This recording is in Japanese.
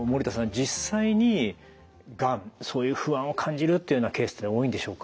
実際にがんそういう不安を感じるというようなケースって多いんでしょうか？